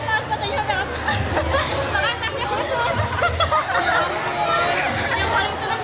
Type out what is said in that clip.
aduh semuanya terkesan tapi yang paling terkesan